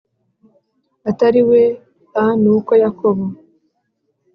utari we a Nuko Yakobo